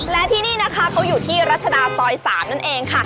และที่นี่นะคะเขาอยู่ที่รัชดาซอย๓นั่นเองค่ะ